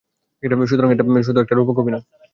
সুতরাং, এটা শুধু একটা রূপক অভিনয়!